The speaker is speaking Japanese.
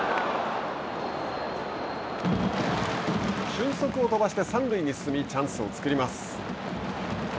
俊足を飛ばして三塁に進みチャンスを作ります。